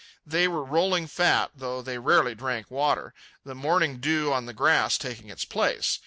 They were rolling fat, though they rarely drank water, the morning dew on the grass taking its place.